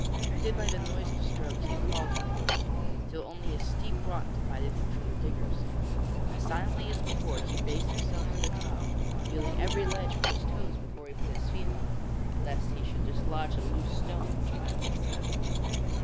Guided by the noise of the strokes he crawled upwards, till only a steep rock divided him from the diggers. As silently as before he raised himself to the top, feeling every ledge with his toes before he put his feet on it, lest he should dislodge a loose stone which might betray him.